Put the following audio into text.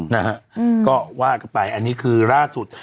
นะฮะก็ว่ากันไปอันนี้คือล่าสุด